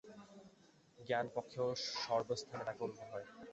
জ্ঞানপক্ষেও সর্বস্থানে তাঁকে অনুভব হয়।